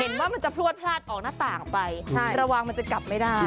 ว่ามันจะพลวดพลาดออกหน้าต่างออกไประวังมันจะกลับไม่ได้